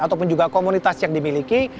ataupun juga komunitas yang dimiliki